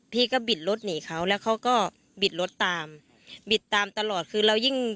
พี่ก็บิดรถหนีเขาแล้วเขาก็บิดรถตามบิดตามตลอดคือเรายิ่ง